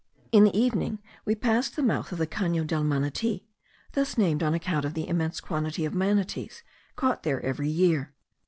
In the evening we passed the mouth of the Cano del Manati, thus named on account of the immense quantity of manatees caught there every year.